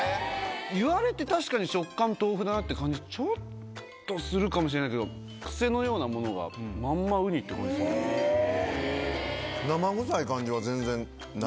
言われて確かに食感豆腐だなって感じちょっとするかもしれないけどクセのようなものがまんまうにって感じ。